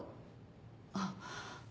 あっ。